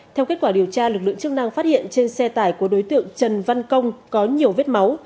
theo kết quả điều tra lực lượng chức năng phát hiện trên xe tải của đối tượng trần văn công có nhiều vết máu